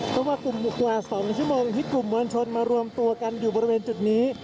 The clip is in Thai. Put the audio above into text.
เพราะว่ากลุ่นกว่า๒ช่วงกลุ่มมวลชนนั้นมารวมตัวในจุดนี้